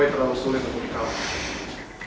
gue yang terlalu sulit untuk dikalahin